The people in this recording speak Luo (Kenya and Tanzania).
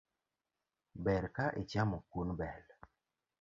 Ber ka ichamo kuon bel